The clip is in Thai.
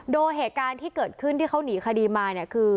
โดยเหตุการณ์ที่เกิดขึ้นที่เขาหนีคดีมาเนี่ยคือ